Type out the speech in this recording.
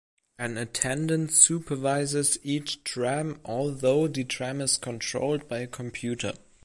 An attendant supervises each tram, although the tram is controlled by a computer.